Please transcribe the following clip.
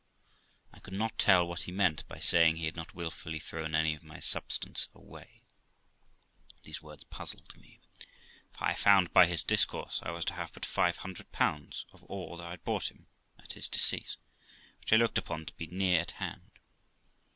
I could not tell what he meant by saying he had not wilfully thrown any of my substance away. These words puzzled me, for I found by his discourse I was to have but , 500 of all I had brought him, at his decease, which I looked upon to be near at hand.